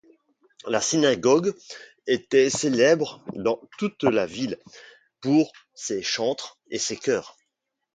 La synagogue était célèbre dans toute la ville pour ses chantres et ses chœurs.